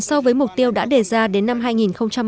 so với mục tiêu đã đề ra đến năm hai nghìn hai mươi